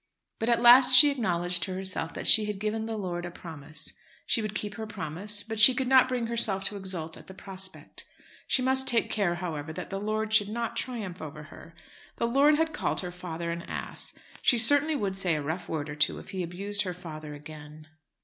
But at last she acknowledged to herself that she had given the lord a promise. She would keep her promise, but she could not bring herself to exult at the prospect. She must take care, however, that the lord should not triumph over her. The lord had called her father an ass. She certainly would say a rough word or two if he abused her father again.